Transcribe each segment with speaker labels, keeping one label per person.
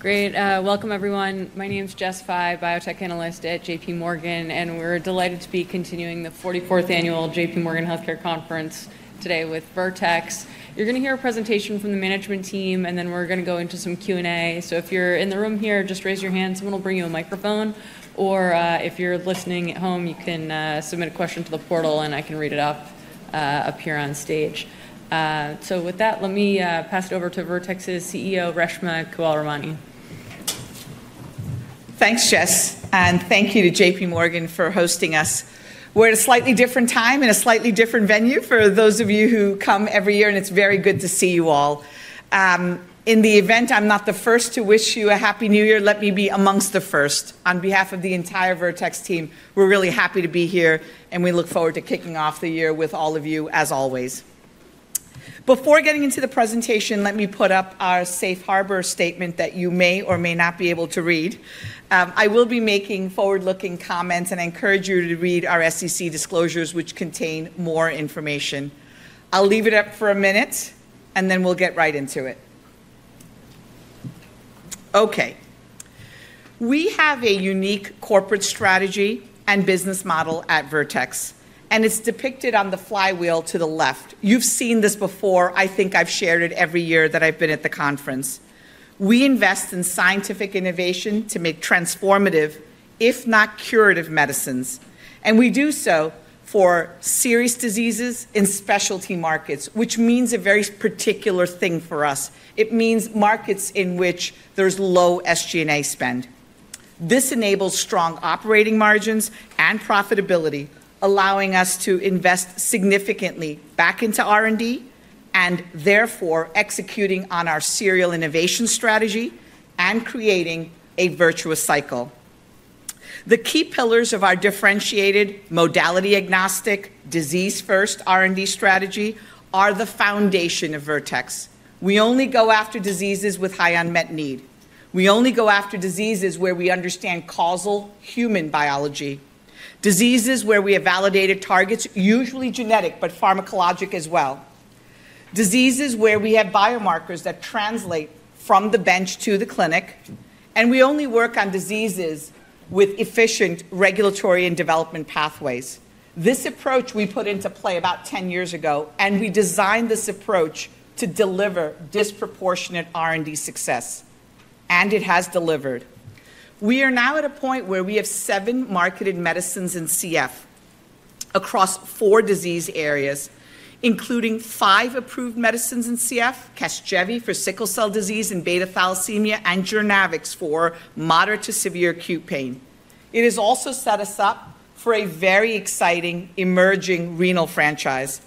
Speaker 1: Great. Welcome, everyone. My name's Jessica Fye, biotech analyst at JPMorgan, and we're delighted to be continuing the 44th annual JPMorgan Healthcare Conference today with Vertex. You're going to hear a presentation from the management team, and then we're going to go into some Q&A. So if you're in the room here, just raise your hand. Someone will bring you a microphone. Or if you're listening at home, you can submit a question to the portal, and I can read it up here on stage. So with that, let me pass it over to Vertex's CEO, Reshma Kewalramani.
Speaker 2: Thanks, Jessica. And thank you to JPMorgan for hosting us. We're at a slightly different time and a slightly different venue for those of you who come every year, and it's very good to see you all. In the event I'm not the first to wish you a Happy New Year, let me be amongst the first. On behalf of the entire Vertex team, we're really happy to be here, and we look forward to kicking off the year with all of you, as always. Before getting into the presentation, let me put up our Safe Harbor statement that you may or may not be able to read. I will be making forward-looking comments and encourage you to read our SEC disclosures, which contain more information. I'll leave it up for a minute, and then we'll get right into it. Okay. We have a unique corporate strategy and business model at Vertex, and it's depicted on the flywheel to the left. You've seen this before. I think I've shared it every year that I've been at the conference. We invest in scientific innovation to make transformative, if not curative, medicines. And we do so for serious diseases in specialty markets, which means a very particular thing for us. It means markets in which there's low SG&A spend. This enables strong operating margins and profitability, allowing us to invest significantly back into R&D and therefore executing on our serial innovation strategy and creating a virtuous cycle. The key pillars of our differentiated, modality-agnostic, disease-first R&D strategy are the foundation of Vertex. We only go after diseases with high unmet need. We only go after diseases where we understand causal human biology. Diseases where we have validated targets, usually genetic, but pharmacologic as well. Diseases where we have biomarkers that translate from the bench to the clinic. And we only work on diseases with efficient regulatory and development pathways. This approach we put into play about 10 years ago, and we designed this approach to deliver disproportionate R&D success. And it has delivered. We are now at a point where we have seven marketed medicines in CF across four disease areas, including five approved medicines in CF, Casgevy for sickle cell disease and beta thalassemia, and JOURNAVX for moderate to severe acute pain. It has also set us up for a very exciting emerging renal franchise.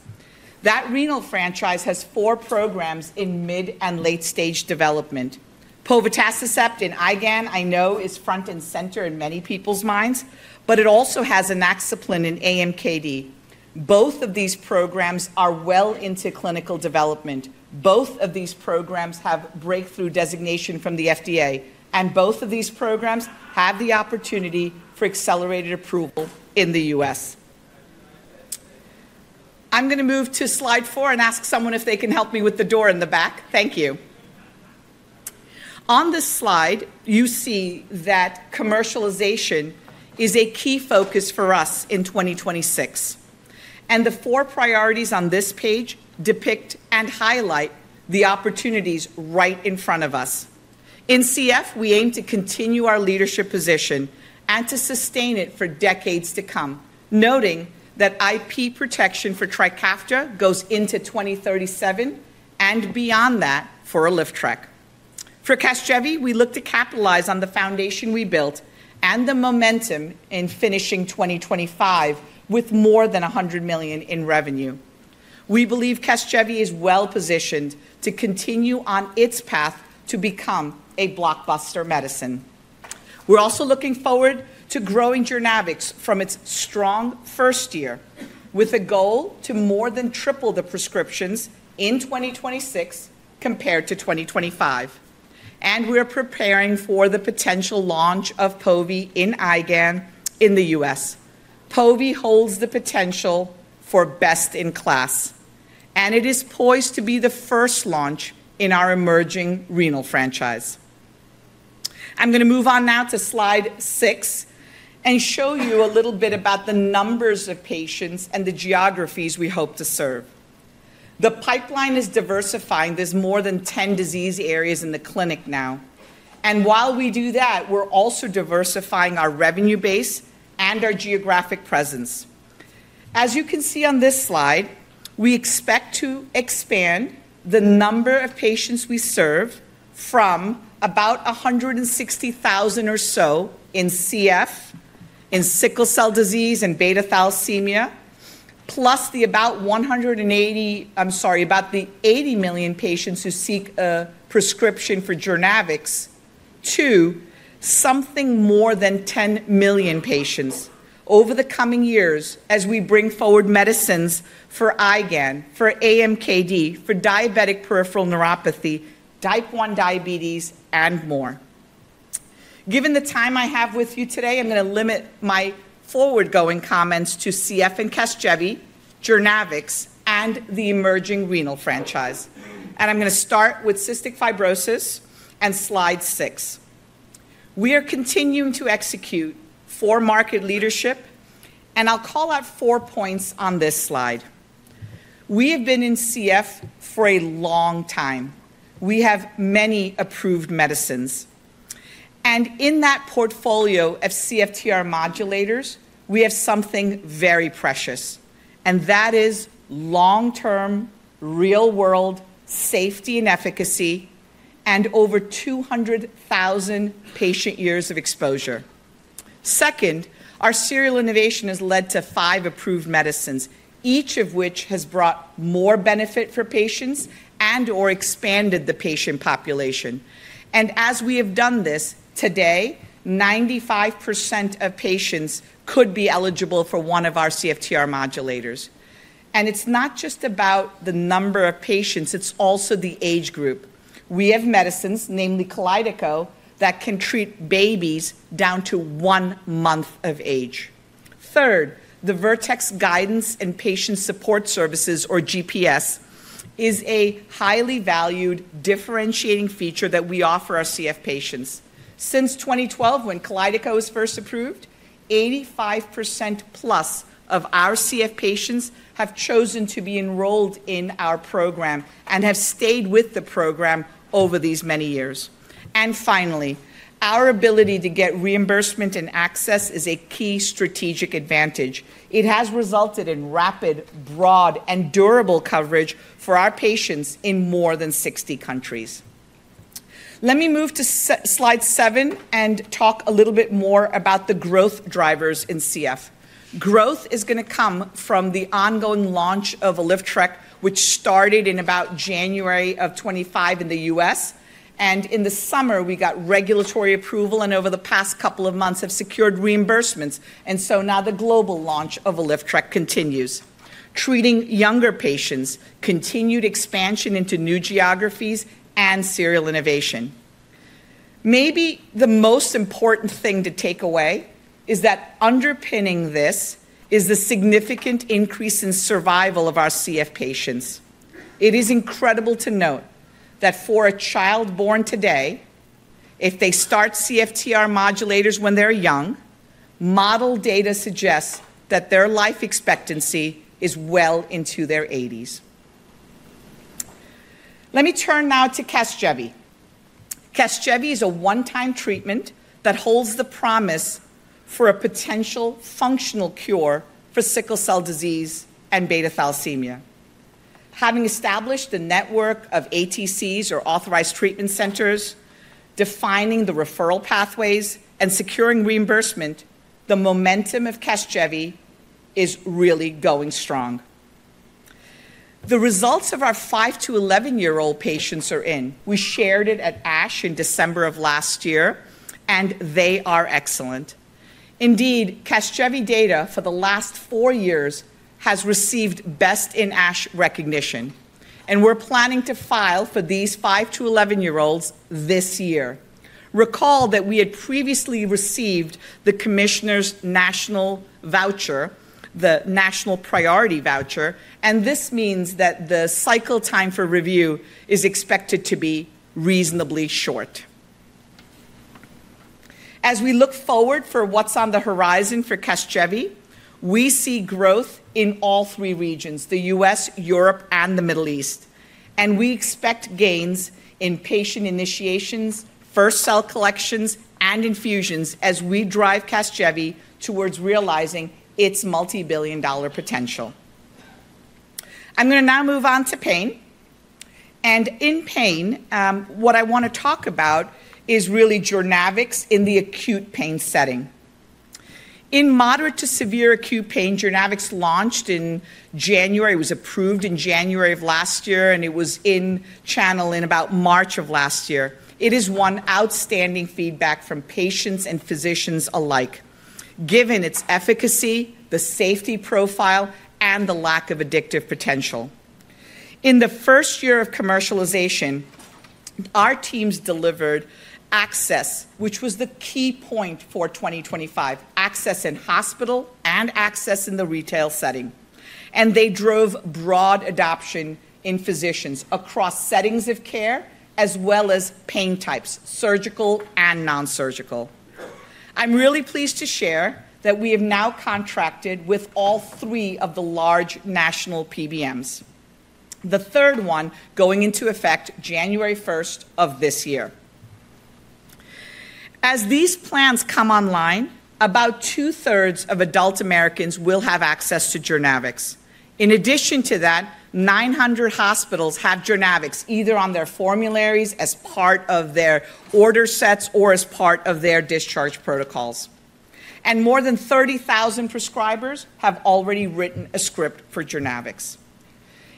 Speaker 2: That renal franchise has four programs in mid and late-stage development. Povetacicept in IgAN, I know, is front and center in many people's minds, but it also has Inaxaplin in AMKD. Both of these programs are well into clinical development. Both of these programs have breakthrough designation from the FDA. And both of these programs have the opportunity for accelerated approval in the U.S. I'm going to move to slide four and ask someone if they can help me with the door in the back. Thank you. On this slide, you see that commercialization is a key focus for us in 2026. And the four priorities on this page depict and highlight the opportunities right in front of us. In CF, we aim to continue our leadership position and to sustain it for decades to come, noting that IP protection for Trikafta goes into 2037 and beyond that for Vanzacaftor. For Casgevy, we look to capitalize on the foundation we built and the momentum in finishing 2025 with more than $100 million in revenue. We believe Casgevy is well positioned to continue on its path to become a blockbuster medicine. We're also looking forward to growing JOURNAVX from its strong first year, with a goal to more than triple the prescriptions in 2026 compared to 2025, and we are preparing for the potential launch of Povy in IgAN in the US. Povy holds the potential for best in class, and it is poised to be the first launch in our emerging renal franchise. I'm going to move on now to slide six and show you a little bit about the numbers of patients and the geographies we hope to serve. The pipeline is diversifying. There's more than 10 disease areas in the clinic now, and while we do that, we're also diversifying our revenue base and our geographic presence. As you can see on this slide, we expect to expand the number of patients we serve from about 160,000 or so in CF, in sickle cell disease, and beta thalassemia, plus the about 180, I'm sorry, about the 80 million patients who seek a prescription for JOURNAVX to something more than 10 million patients over the coming years as we bring forward medicines for IgAN, for AMKD, for diabetic peripheral neuropathy, type 1 diabetes, and more. Given the time I have with you today, I'm going to limit my forward-going comments to CF and Casgevy, JOURNAVX, and the emerging renal franchise, and I'm going to start with cystic fibrosis and slide six. We are continuing to execute for market leadership, and I'll call out four points on this slide. We have been in CF for a long time. We have many approved medicines. In that portfolio of CFTR modulators, we have something very precious, and that is long-term, real-world safety and efficacy and over 200,000 patient years of exposure. Second, our serial innovation has led to five approved medicines, each of which has brought more benefit for patients and/or expanded the patient population. And as we have done this, today, 95% of patients could be eligible for one of our CFTR modulators. And it's not just about the number of patients. It's also the age group. We have medicines, namely Kalydeco, that can treat babies down to one month of age. Third, the Vertex Guidance and Patient Support, or GPS, is a highly valued differentiating feature that we offer our CF patients. Since 2012, when Kalydeco was first approved, 85% plus of our CF patients have chosen to be enrolled in our program and have stayed with the program over these many years, and finally, our ability to get reimbursement and access is a key strategic advantage. It has resulted in rapid, broad, and durable coverage for our patients in more than 60 countries. Let me move to slide seven and talk a little bit more about the growth drivers in CF. Growth is going to come from the ongoing launch of Vanzacaftor, which started in about January of 2025 in the U.S. And in the summer, we got regulatory approval, and over the past couple of months, have secured reimbursements, and so now the global launch of Vanzacaftor continues, treating younger patients, continued expansion into new geographies, and serial innovation. Maybe the most important thing to take away is that underpinning this is the significant increase in survival of our CF patients. It is incredible to note that for a child born today, if they start CFTR modulators when they're young, model data suggests that their life expectancy is well into their 80s. Let me turn now to Casgevy. Casgevy is a one-time treatment that holds the promise for a potential functional cure for sickle cell disease and beta thalassemia. Having established a network of ATCs, or authorized treatment centers, defining the referral pathways, and securing reimbursement, the momentum of Casgevy is really going strong. The results of our five to 11-year-old patients are in. We shared it at ASH in December of last year, and they are excellent. Indeed, Casgevy data for the last four years has received Best in ASH recognition, and we're planning to file for these five to 11-year-olds this year. Recall that we had previously received the Commissioner's National Voucher, the National Priority Voucher, and this means that the cycle time for review is expected to be reasonably short. As we look forward to what's on the horizon for Casgevy, we see growth in all three regions: the U.S., Europe, and the Middle East, and we expect gains in patient initiations, first cell collections, and infusions as we drive Casgevy towards realizing its multi-billion-dollar potential. I'm going to now move on to pain, and in pain, what I want to talk about is really JOURNAVX in the acute pain setting. In moderate to severe acute pain, JOURNAVX launched in January. It was approved in January of last year, and it was in channel in about March of last year. It has won outstanding feedback from patients and physicians alike, given its efficacy, the safety profile, and the lack of addictive potential. In the first year of commercialization, our teams delivered access, which was the key point for 2025, access in hospital and access in the retail setting, and they drove broad adoption in physicians across settings of care, as well as pain types, surgical and nonsurgical. I'm really pleased to share that we have now contracted with all three of the large national PBMs, the third one going into effect January 1st of this year. As these plans come online, about two-thirds of adult Americans will have access to JOURNAVX. In addition to that, 900 hospitals have JOURNAVX either on their formularies as part of their order sets or as part of their discharge protocols. More than 30,000 prescribers have already written a script for JOURNAVX.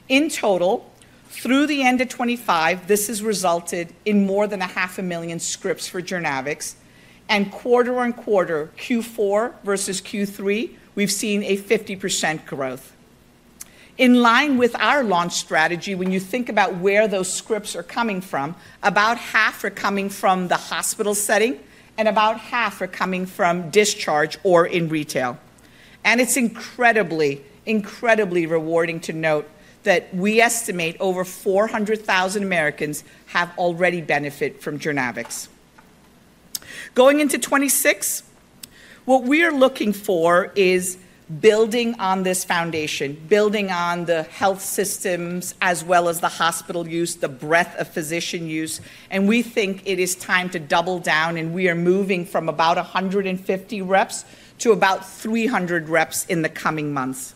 Speaker 2: In total, through the end of 2025, this has resulted in more than 500,000 scripts for JOURNAVX. Quarter on quarter, Q4 versus Q3, we've seen a 50% growth. In line with our launch strategy, when you think about where those scripts are coming from, about half are coming from the hospital setting, and about half are coming from discharge or in retail. It's incredibly, incredibly rewarding to note that we estimate over 400,000 Americans have already benefited from JOURNAVX. Going into 2026, what we are looking for is building on this foundation, building on the health systems as well as the hospital use, the breadth of physician use. And we think it is time to double down, and we are moving from about 150 reps to about 300 reps in the coming months.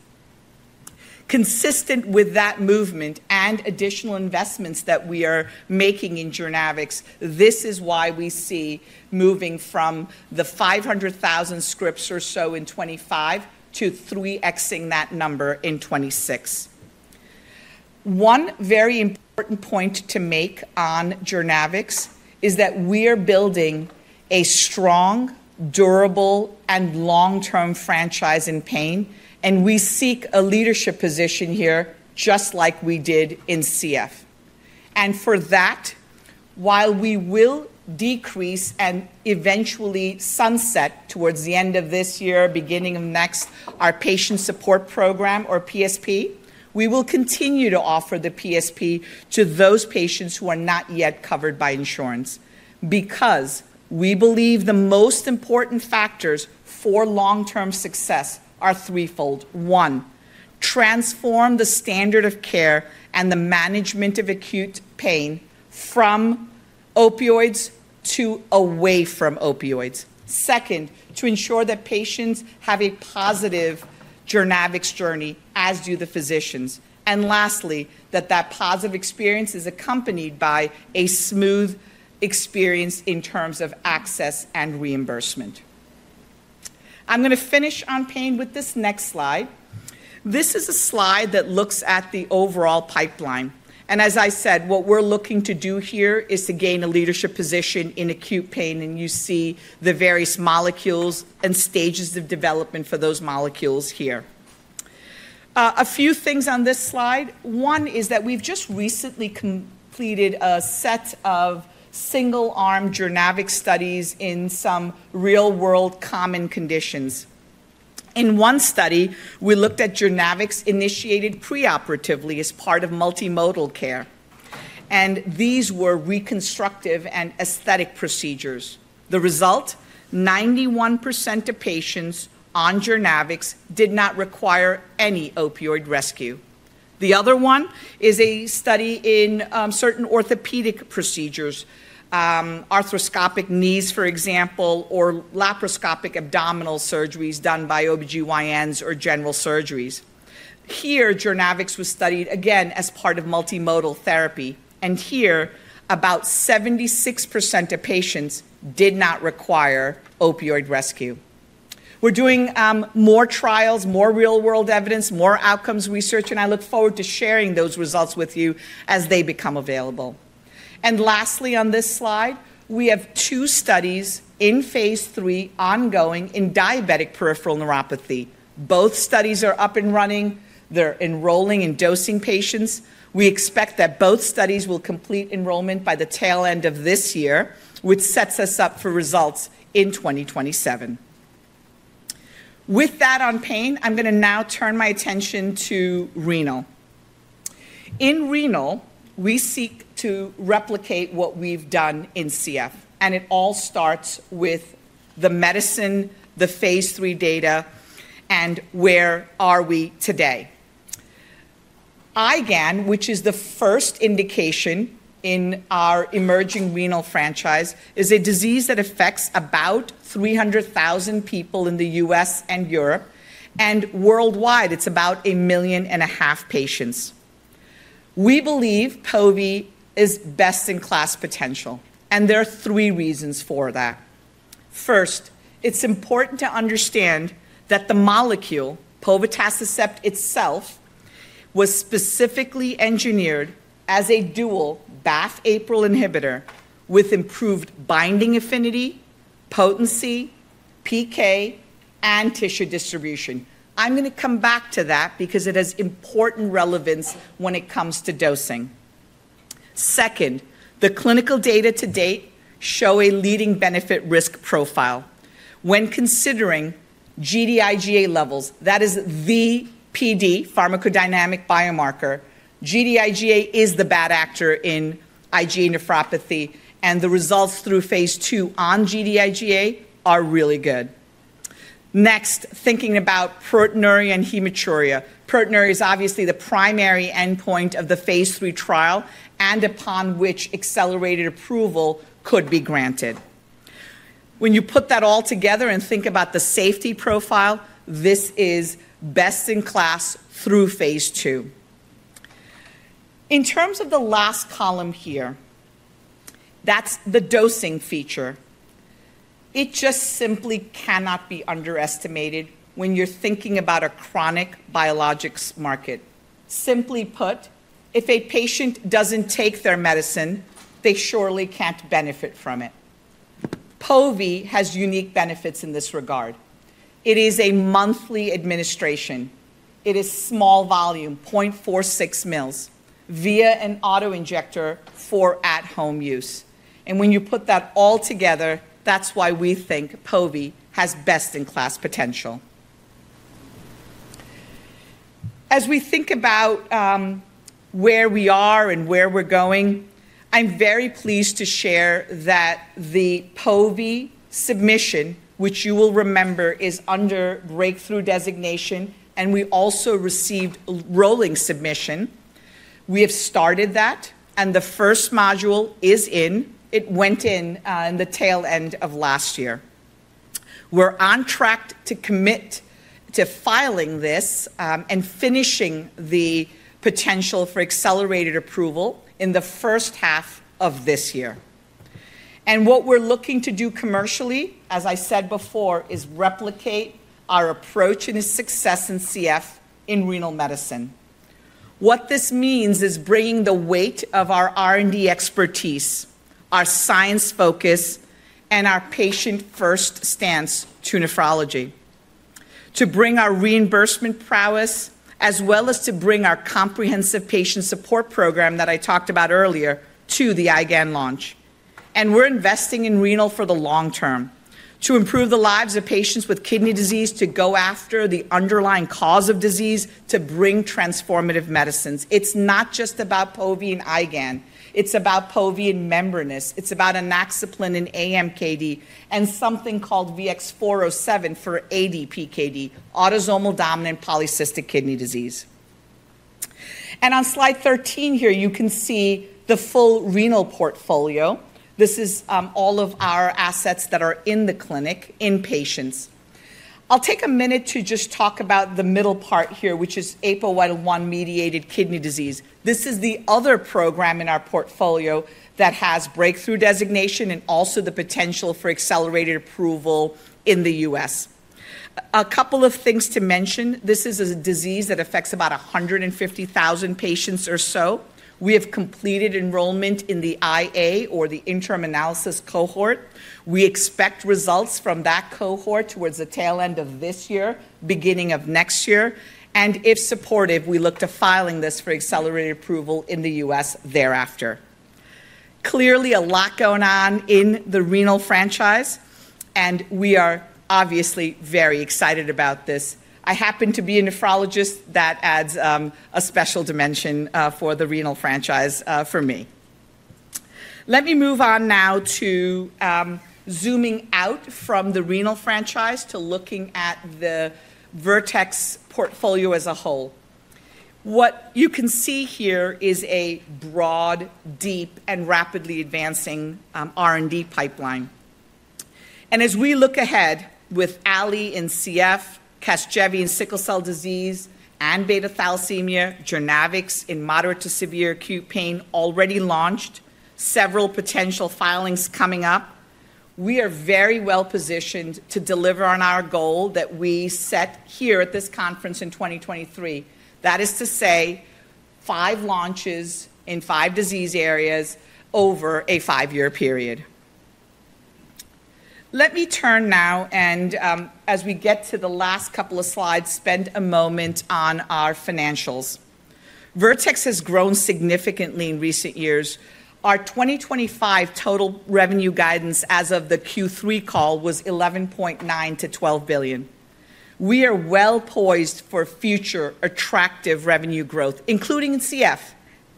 Speaker 2: Consistent with that movement and additional investments that we are making in JOURNAVX, this is why we see moving from the 500,000 scripts or so in 2025 to three-xing that number in 2026. One very important point to make on JOURNAVX is that we are building a strong, durable, and long-term franchise in pain, and we seek a leadership position here just like we did in CF. And for that, while we will decrease and eventually sunset towards the end of this year, beginning of next, our patient support program, or PSP, we will continue to offer the PSP to those patients who are not yet covered by insurance because we believe the most important factors for long-term success are threefold. One, transform the standard of care and the management of acute pain from opioids to away from opioids. Second, to ensure that patients have a positive JOURNAVX journey, as do the physicians. And lastly, that that positive experience is accompanied by a smooth experience in terms of access and reimbursement. I'm going to finish on pain with this next slide. This is a slide that looks at the overall pipeline. And as I said, what we're looking to do here is to gain a leadership position in acute pain, and you see the various molecules and stages of development for those molecules here. A few things on this slide. One is that we've just recently completed a set of single-arm JOURNAVX studies in some real-world common conditions. In one study, we looked at JOURNAVX initiated preoperatively as part of multimodal care. And these were reconstructive and aesthetic procedures. The result, 91% of patients on JOURNAVX did not require any opioid rescue. The other one is a study in certain orthopedic procedures, arthroscopic knees, for example, or laparoscopic abdominal surgeries done by OB-GYNs or general surgeries. Here, JOURNAVX was studied again as part of multimodal therapy, and here, about 76% of patients did not require opioid rescue. We're doing more trials, more real-world evidence, more outcomes research, and I look forward to sharing those results with you as they become available, and lastly, on this slide, we have two studies in Phase 3 ongoing in diabetic peripheral neuropathy. Both studies are up and running. They're enrolling and dosing patients. We expect that both studies will complete enrollment by the tail end of this year, which sets us up for results in 2027. With that on pain, I'm going to now turn my attention to renal. In renal, we seek to replicate what we've done in CF. It all starts with the medicine, the Phase 3 data, and where are we today. IgAN, which is the first indication in our emerging renal franchise, is a disease that affects about 300,000 people in the U.S. and Europe. Worldwide, it's about 1.5 million patients. We believe Povy is best-in-class potential, and there are three reasons for that. First, it's important to understand that the molecule, Povetacicept itself, was specifically engineered as a dual BAFF-APRIL inhibitor with improved binding affinity, potency, PK, and tissue distribution. I'm going to come back to that because it has important relevance when it comes to dosing. Second, the clinical data to date show a leading benefit-risk profile. When considering Gd-IgA1 levels, that is the PD, pharmacodynamic biomarker. Gd-IgA1 is the bad actor in IgA nephropathy, and the results through Phase 2 on Gd-IgA1 are really good. Next, thinking about proteinuria and hematuria. Proteinuria is obviously the primary endpoint of the Phase 3 trial and upon which accelerated approval could be granted. When you put that all together and think about the safety profile, this is best in class through Phase 2. In terms of the last column here, that's the dosing feature. It just simply cannot be underestimated when you're thinking about a chronic biologics market. Simply put, if a patient doesn't take their medicine, they surely can't benefit from it. Povy has unique benefits in this regard. It is a monthly administration. It is small volume, 0.46 mL via an auto-injector for at-home use. And when you put that all together, that's why we think Povy has best-in-class potential. As we think about where we are and where we're going, I'm very pleased to share that the Povy submission, which you will remember is under breakthrough designation, and we also received rolling submission. We have started that, and the first module is in. It went in the tail end of last year. We're on track to commit to filing this and finishing the potential for accelerated approval in the first half of this year, and what we're looking to do commercially, as I said before, is replicate our approach and its success in CF in renal medicine. What this means is bringing the weight of our R&D expertise, our science focus, and our patient-first stance to nephrology, to bring our reimbursement prowess, as well as to bring our comprehensive patient support program that I talked about earlier to the IgAN launch. We're investing in renal for the long term to improve the lives of patients with kidney disease, to go after the underlying cause of disease, to bring transformative medicines. It's not just about Povy and IgAN. It's about Povy and membranous. It's about Inaxaplin and AMKD and something called VX-407 for ADPKD, autosomal dominant polycystic kidney disease. On slide 13 here, you can see the full renal portfolio. This is all of our assets that are in the clinic in patients. I'll take a minute to just talk about the middle part here, which is APOL1-mediated kidney disease. This is the other program in our portfolio that has breakthrough designation and also the potential for accelerated approval in the U.S. A couple of things to mention. This is a disease that affects about 150,000 patients or so. We have completed enrollment in the IA, or the interim analysis cohort. We expect results from that cohort towards the tail end of this year, beginning of next year. And if supportive, we look to filing this for accelerated approval in the U.S. thereafter. Clearly, a lot going on in the renal franchise, and we are obviously very excited about this. I happen to be a nephrologist. That adds a special dimension for the renal franchise for me. Let me move on now to zooming out from the renal franchise to looking at the Vertex portfolio as a whole. What you can see here is a broad, deep, and rapidly advancing R&D pipeline. And as we look ahead with ALYFTREK in CF, Casgevy in sickle cell disease, and beta thalassemia, JOURNAVX in moderate to severe acute pain already launched, several potential filings coming up. We are very well positioned to deliver on our goal that we set here at this conference in 2023. That is to say, five launches in five disease areas over a five-year period. Let me turn now, and as we get to the last couple of slides, spend a moment on our financials. Vertex has grown significantly in recent years. Our 2025 total revenue guidance as of the Q3 call was $11.9 billion-$12 billion. We are well poised for future attractive revenue growth, including in CF.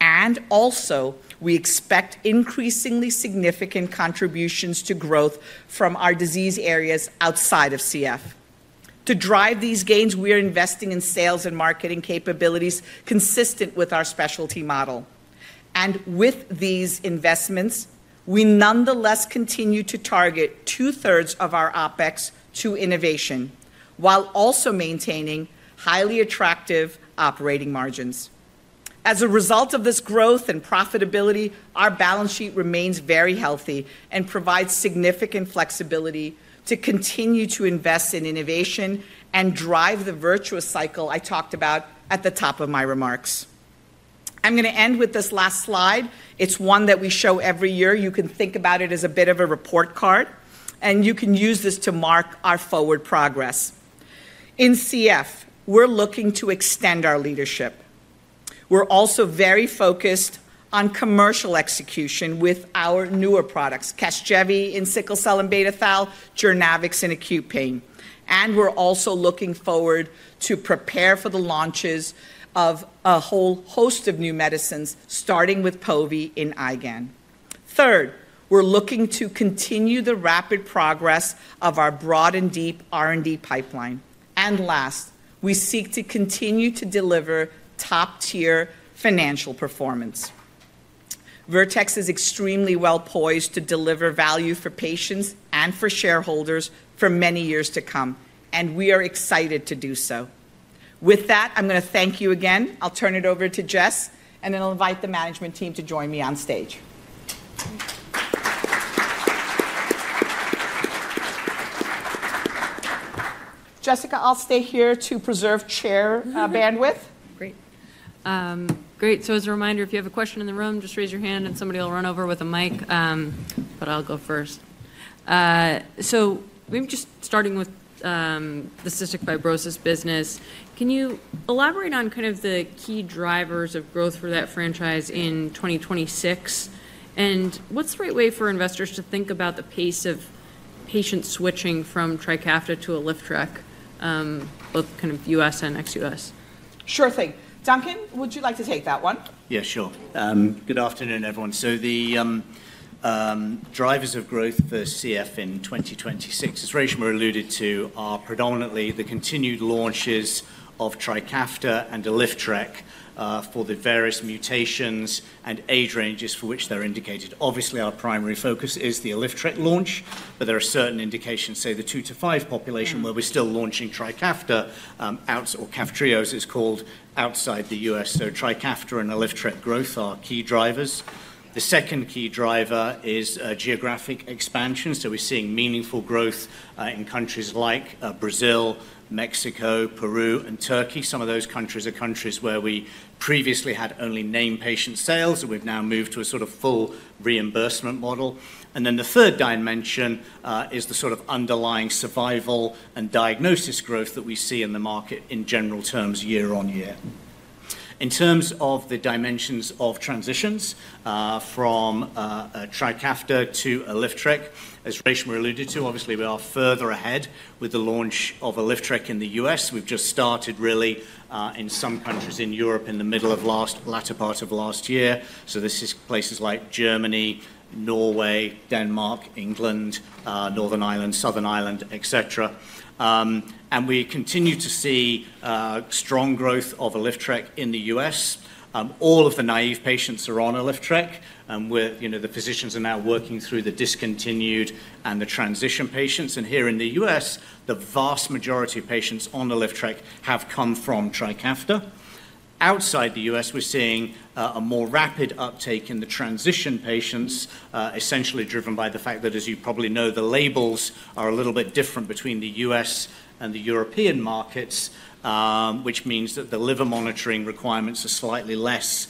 Speaker 2: And also, we expect increasingly significant contributions to growth from our disease areas outside of CF. To drive these gains, we are investing in sales and marketing capabilities consistent with our specialty model. And with these investments, we nonetheless continue to target two-thirds of our OpEx to innovation, while also maintaining highly attractive operating margins. As a result of this growth and profitability, our balance sheet remains very healthy and provides significant flexibility to continue to invest in innovation and drive the virtuous cycle I talked about at the top of my remarks. I'm going to end with this last slide. It's one that we show every year. You can think about it as a bit of a report card, and you can use this to mark our forward progress. In CF, we're looking to extend our leadership. We're also very focused on commercial execution with our newer products, Casgevy in sickle cell and beta thalassemia, JOURNAVX in acute pain. And we're also looking forward to prepare for the launches of a whole host of new medicines, starting with Povetacicept in IgAN. Third, we're looking to continue the rapid progress of our broad and deep R&D pipeline. And last, we seek to continue to deliver top-tier financial performance. Vertex is extremely well poised to deliver value for patients and for shareholders for many years to come, and we are excited to do so. With that, I'm going to thank you again. I'll turn it over to Jessica, and then I'll invite the management team to join me on stage. Jessica, I'll stay here to preserve chair bandwidth.
Speaker 1: Great. Great. So as a reminder, if you have a question in the room, just raise your hand and somebody will run over with a mic. But I'll go first. So we're just starting with the cystic fibrosis business. Can you elaborate on kind of the key drivers of growth for that franchise in 2026? What's the right way for investors to think about the pace of patients switching from Trikafta to Vanzacaftor, both kind of U.S. and ex-U.S.?
Speaker 2: Sure thing. Duncan, would you like to take that one?
Speaker 3: Yeah, sure. Good afternoon, everyone. The drivers of growth for CF in 2026, as Reshma alluded to, are predominantly the continued launches of Trikafta and Vanzacaftor for the various mutations and age ranges for which they're indicated. Obviously, our primary focus is the Vanzacaftor launch, but there are certain indications, say the two-to-five population, where we're still launching Trikafta, or Kaftrio, as it's called, outside the U.S. Trikafta and Vanzacaftor growth are key drivers. The second key driver is geographic expansion. We're seeing meaningful growth in countries like Brazil, Mexico, Peru, and Turkey. Some of those countries are countries where we previously had only named patient sales, and we've now moved to a sort of full reimbursement model. Then the third dimension is the sort of underlying survival and diagnosis growth that we see in the market in general terms year on year. In terms of the dimensions of transitions from Trikafta to ALYFTREK, as Reshma alluded to, obviously, we are further ahead with the launch of ALYFTREK in the US. We've just started really in some countries in Europe in the middle of the latter part of last year. So this is places like Germany, Norway, Denmark, England, Northern Ireland, Ireland, etc. We continue to see strong growth of ALYFTREK in the US. All of the naive patients are on ALYFTREK, and the physicians are now working through the discontinued and the transition patients. And here in the U.S., the vast majority of patients on ALYFTREK have come from Trikafta. Outside the U.S., we're seeing a more rapid uptake in the transition patients, essentially driven by the fact that, as you probably know, the labels are a little bit different between the U.S. and the European markets, which means that the liver monitoring requirements are slightly less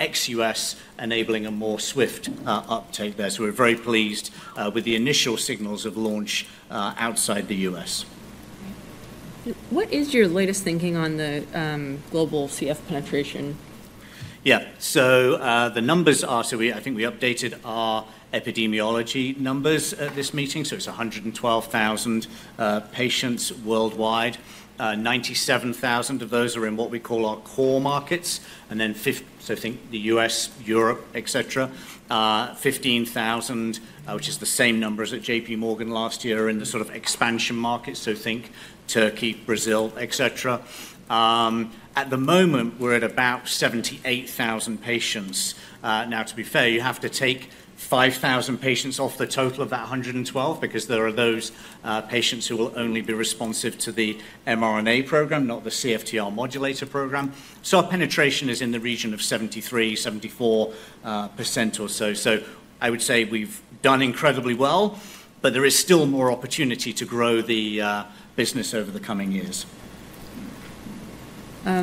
Speaker 3: ex-U.S., enabling a more swift uptake there. So we're very pleased with the initial signals of launch outside the U.S.
Speaker 1: What is your latest thinking on the global CF penetration?
Speaker 3: Yeah. So the numbers are, so I think we updated our epidemiology numbers at this meeting. So it's 112,000 patients worldwide. 97,000 of those are in what we call our core markets. Then so think the US, Europe, etc., 15,000, which is the same numbers at JPMorgan last year in the sort of expansion markets. So think Turkey, Brazil, etc. At the moment, we're at about 78,000 patients. Now, to be fair, you have to take 5,000 patients off the total of that 112 because there are those patients who will only be responsive to the mRNA program, not the CFTR modulator program. So our penetration is in the region of 73-74% or so. So I would say we've done incredibly well, but there is still more opportunity to grow the business over the coming years.
Speaker 1: I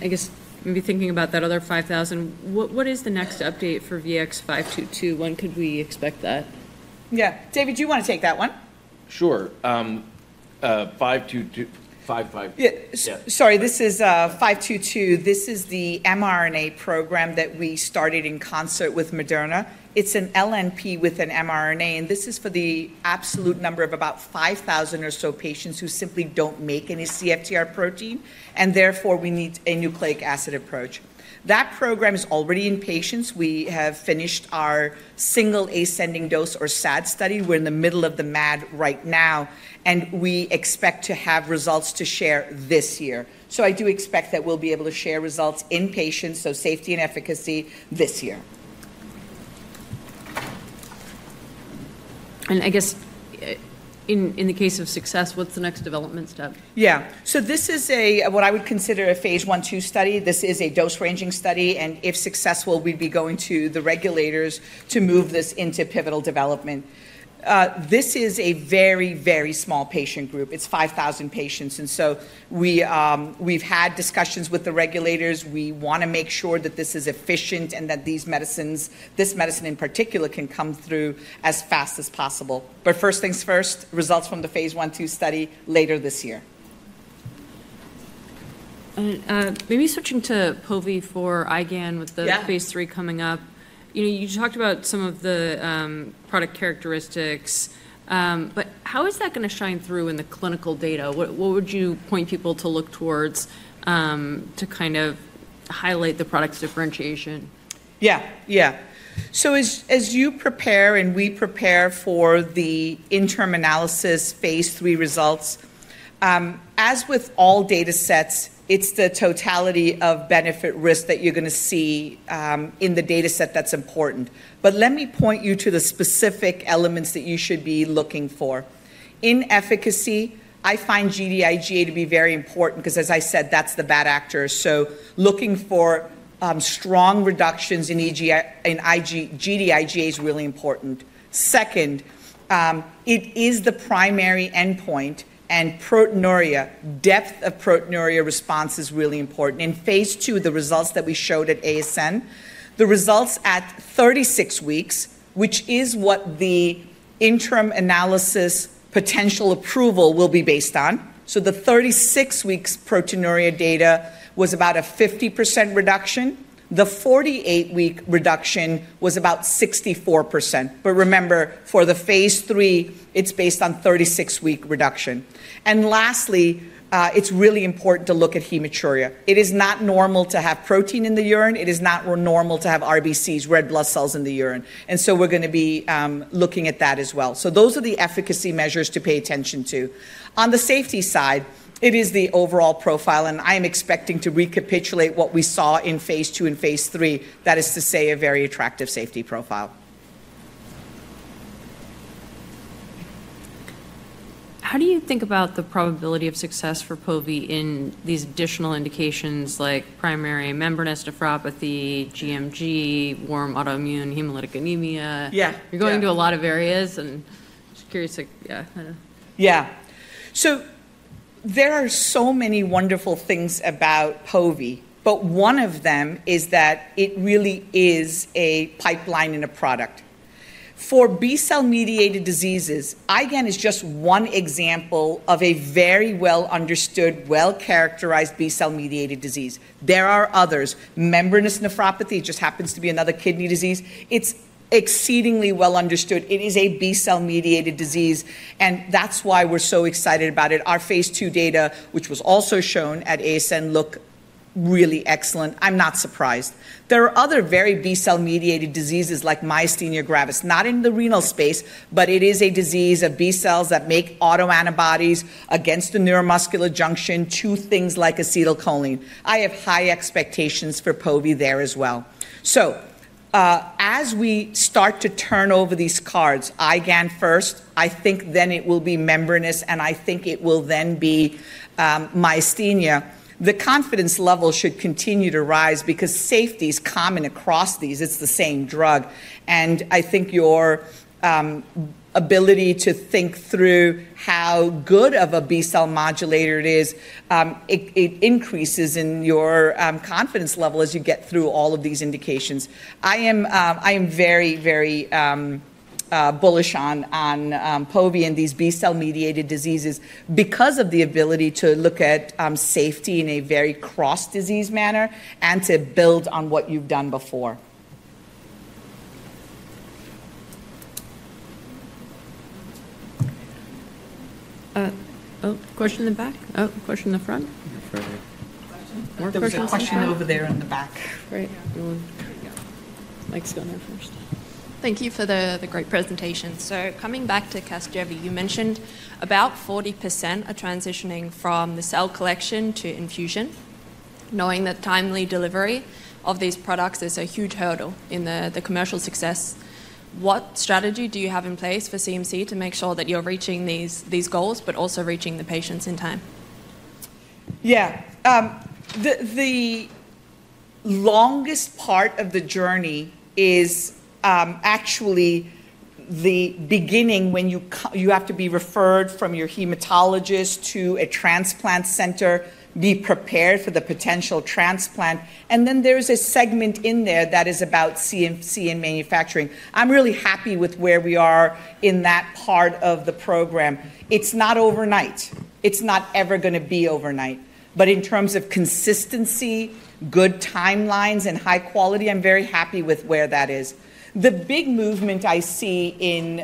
Speaker 1: guess maybe thinking about that other 5,000, what is the next update for VX-522? When could we expect that?
Speaker 2: Yeah. David, do you want to take that one?
Speaker 4: Sure. 522, 552. Yeah.
Speaker 2: Sorry, this is 522. This is the mRNA program that we started in concert with Moderna. It's an LNP with an mRNA, and this is for the absolute number of about 5,000 or so patients who simply don't make any CFTR protein, and therefore we need a nucleic acid aPproach. That program is already in patients. We have finished our single ascending dose or SAD study. We're in the middle of the MAD right now, and we expect to have results to share this year. So I do expect that we'll be able to share results in patients, so safety and efficacy this year.
Speaker 1: And I guess in the case of success, what's the next development step?
Speaker 2: Yeah. So this is what I would consider a Phase 1-2 study. This is a dose ranging study, and if successful, we'd be going to the regulators to move this into pivotal development. This is a very, very small patient group. It's 5,000 patients. And so we've had discussions with the regulators. We want to make sure that this is efficient and that this medicine in particular can come through as fast as possible. But first things first, results from the Phase 1/2 study later this year.
Speaker 1: And maybe switching to Povy for IgAN with the Phase 3 coming up. You talked about some of the product characteristics, but how is that going to shine through in the clinical data? What would you point people to look towards to kind of highlight the product's differentiation?
Speaker 2: Yeah, yeah. So as you prepare and we prepare for the interim analysis Phase 3 results, as with all data sets, it's the totality of benefit-risk that you're going to see in the data set that's important. But let me point you to the specific elements that you should be looking for. In efficacy, I find Gd-IgA1 to be very important because, as I said, that's the bad actor. So looking for strong reductions in Gd-IgA1 is really important. Second, it is the primary endpoint, and proteinuria, depth of proteinuria response is really important. In Phase 2, the results that we showed at ASN, the results at 36 weeks, which is what the interim analysis potential approval will be based on. So the 36 weeks proteinuria data was about a 50% reduction. The 48-week reduction was about 64%. But remember, for the Phase 3, it's based on 36-week reduction. And lastly, it's really important to look at hematuria. It is not normal to have protein in the urine. It is not normal to have RBCs, red blood cells in the urine. And so we're going to be looking at that as well. So those are the efficacy measures to pay attention to. On the safety side, it is the overall profile, and I am expecting to recapitulate what we saw in Phase 2 and Phase 3. That is to say, a very attractive safety profile.
Speaker 1: How do you think about the probability of success for Povy in these additional indications like primary membranous nephropathy, gMG, warm autoimmune hemolytic anemia?
Speaker 2: Yeah.
Speaker 1: You're going to a lot of areas, and I'm just curious.
Speaker 2: Yeah. Yeah. So there are so many wonderful things about Povy, but one of them is that it really is a pipeline and a product. For B-cell mediated diseases, IgAN is just one example of a very well-understood, well-characterized B-cell mediated disease. There are others. Membranous nephropathy just happens to be another kidney disease. It's exceedingly well-understood. It is a B-cell mediated disease, and that's why we're so excited about it. Our Phase 2 data, which was also shown at ASN, look really excellent. I'm not surprised. There are other very B-cell mediated diseases like myasthenia gravis, not in the renal space, but it is a disease of B-cells that make autoantibodies against the neuromuscular junction to things like acetylcholine. I have high expectations for Povy there as well. So as we start to turn over these cards, IgAN first, I think then it will be membranous, and I think it will then be myasthenia. The confidence level should continue to rise because safety is common across these. It's the same drug. And I think your ability to think through how good of a B-cell modulator it is, it increases in your confidence level as you get through all of these indications. I am very, very bullish on Povy and these B-cell mediated diseases because of the ability to look at safety in a very cross-disease manner and to build on what you've done before.
Speaker 1: Question in the back? Question in the front? Question? Question over there in the back. Right. There we go. Mike's going there first.
Speaker 5: Thank you for the great presentation. So coming back to Casgevy, you mentioned about 40% are transitioning from the cell collection to infusion, knowing that timely delivery of these products is a huge hurdle in the commercial success. What strategy do you have in place for CMC to make sure that you're reaching these goals, but also reaching the patients in time?
Speaker 2: Yeah. The longest part of the journey is actually the beginning when you have to be referred from your hematologist to a transplant center, be prepared for the potential transplant. And then there's a segment in there that is about CMC and manufacturing. I'm really happy with where we are in that part of the program. It's not overnight. It's not ever going to be overnight. But in terms of consistency, good timelines, and high quality, I'm very happy with where that is. The big movement I see in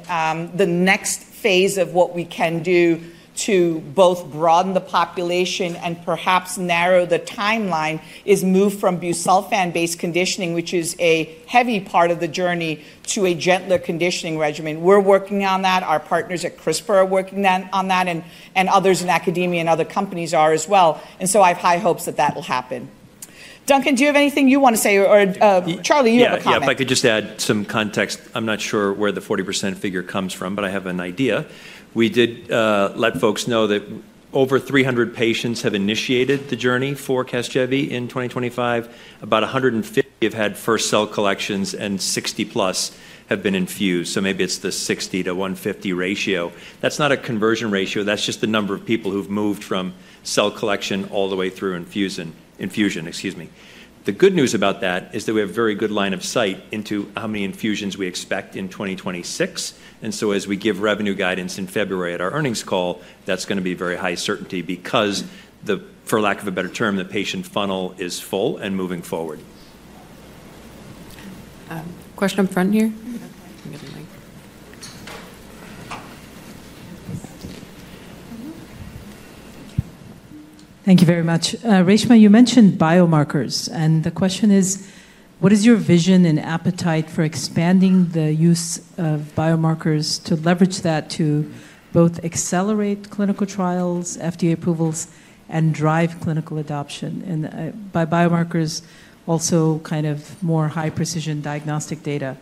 Speaker 2: the next phase of what we can do to both broaden the population and perhaps narrow the timeline is move from Busulfan-based conditioning, which is a heavy part of the journey, to a gentler conditioning regimen. We're working on that. Our partners at CRISPR are working on that, and others in academia and other companies are as well. And so I have high hopes that that will happen. Duncan, do you have anything you want to say? Or Charlie, you have a comment. Yeah, if I could just add some context.
Speaker 3: I'm not sure where the 40% figure comes from, but I have an idea. We did let folks know that over 300 patients have initiated the journey for Casgevy in 2025. About 150 have had first cell collections, and 60 plus have been infused. So maybe it's the 60 to 150 ratio. That's not a conversion ratio. That's just the number of people who've moved from cell collection all the way through infusion. Infusion, excuse me. The good news about that is that we have a very good line of sight into how many infusions we expect in 2026. And so as we give revenue guidance in February at our earnings call, that's going to be very high certainty because, for lack of a better term, the patient funnel is full and moving forward.
Speaker 1: Question up front here. Thank you very much.
Speaker 6: Reshma, you mentioned biomarkers, and the question is, what is your vision and appetite for expanding the use of biomarkers to leverage that to both accelerate clinical trials, FDA approvals, and drive clinical adoption? And by biomarkers, also kind of more high precision diagnostic data.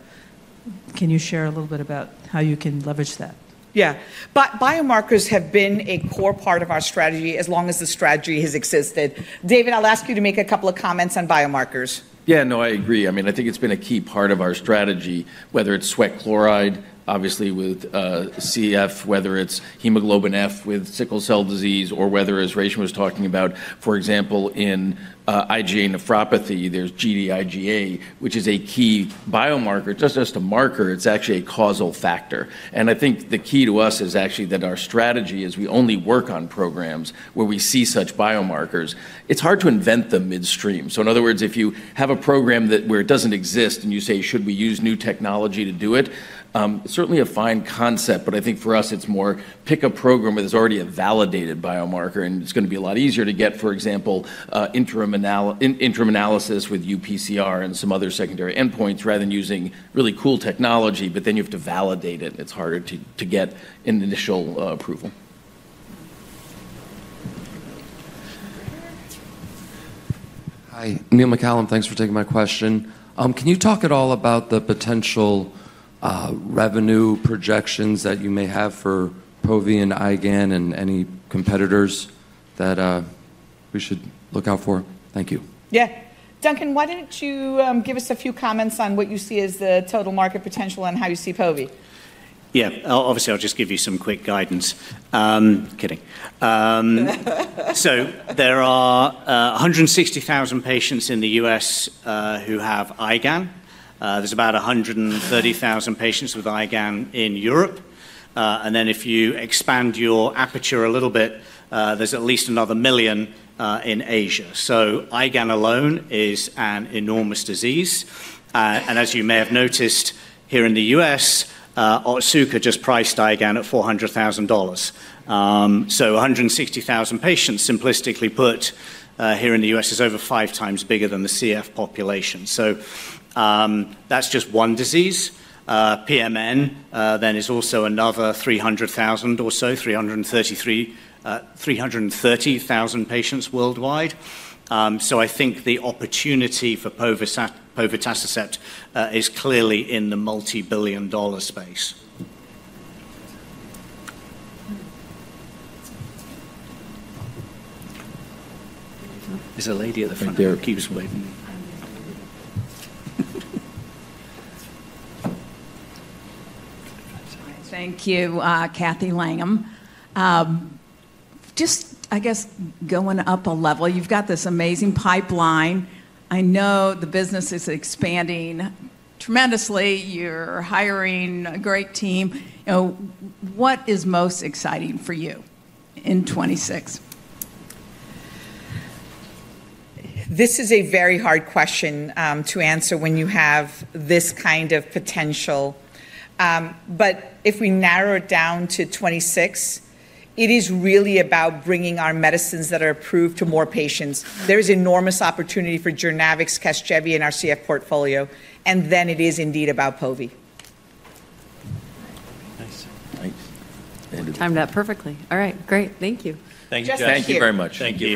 Speaker 6: Can you share a little bit about how you can leverage that?
Speaker 2: Yeah. Biomarkers have been a core part of our strategy as long as the strategy has existed. David, I'll ask you to make a couple of comments on biomarkers.
Speaker 4: Yeah, no, I agree. I mean, I think it's been a key part of our strategy, whether it's sweat chloride, obviously with CF, whether it's hemoglobin F with sickle cell disease, or whether as Reshma was talking about, for example, in IgA nephropathy, there's Gd-IgA1, which is a key biomarker. It's not just a marker. It's actually a causal factor. I think the key to us is actually that our strategy is we only work on programs where we see such biomarkers. It's hard to invent them midstream. So in other words, if you have a program where it doesn't exist and you say, "Should we use new technology to do it?" It's certainly a fine concept, but I think for us, it's more pick a program where there's already a validated biomarker, and it's going to be a lot easier to get, for example, interim analysis with UPCR and some other secondary endpoints rather than using really cool technology, but then you have to validate it, and it's harder to get an initial approval.
Speaker 7: Hi, Neil McCallum. Thanks for taking my question. Can you talk at all about the potential revenue projections that you may have for Povy and IgAN and any competitors that we should look out for? Thank you.
Speaker 2: Yeah. Duncan, why don't you give us a few comments on what you see as the total market potential and how you see Povy?
Speaker 3: Yeah. Obviously, I'll just give you some quick guidance. Kidding. So there are 160,000 patients in the U.S. who have IgAN. There's about 130,000 patients with IgAN in Europe. And then if you expand your aperture a little bit, there's at least another million in Asia. So IgAN alone is an enormous disease. And as you may have noticed here in the U.S., Otsuka just priced IgAN at $400,000. So 160,000 patients, simplistically put, here in the U.S. is over five times bigger than the CF population. So that's just one disease. PMN then is also another 300,000 or so, 330,000 patients worldwide, so I think the opportunity for Povetacicept is clearly in the multi-billion-dollar space. There's a lady at the front that keeps waving.
Speaker 8: Thank you, Cathy Langham. Just, I guess, going up a level, you've got this amazing pipeline. I know the business is expanding tremendously. You're hiring a great team. What is most exciting for you in 2026?
Speaker 2: This is a very hard question to answer when you have this kind of potential, but if we narrow it down to 2026, it is really about bringing our medicines that are approved to more patients. There is enormous opportunity for JOURNAVX, Casgevy, and our CF portfolio, and then it is indeed about Povy.
Speaker 3: Nice.
Speaker 1: Timed that perfectly. All right. Great. Thank you.
Speaker 2: Thank you, Jess.
Speaker 3: Thank you very much. Thank you.